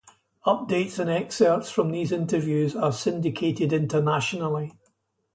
Updates and excerpts from these interviews are syndicated internationally.